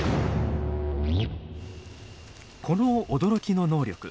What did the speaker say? この驚きの能力